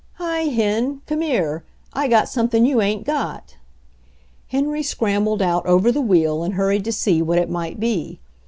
"Hi, Hen! Cm'ere! I got something you ain't got !" Henry scrambled out over the wheel and hur ried to see what it might be.